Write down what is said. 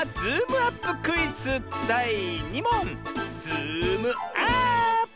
ズームアーップ！